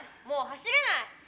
もう走れない！